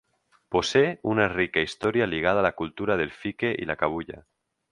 Posee una rica historia ligada a la cultura del fique y la "cabuya".